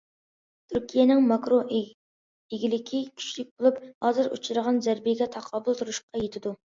تۈركىيەنىڭ ماكرو ئىگىلىكى كۈچلۈك بولۇپ، ھازىر ئۇچرىغان زەربىگە تاقابىل تۇرۇشقا يېتىدۇ.